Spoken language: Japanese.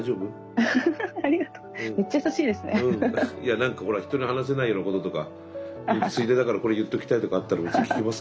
いや何かほら人に話せないようなこととかついでだからこれ言っときたいとかあったら聞きますけど大丈夫？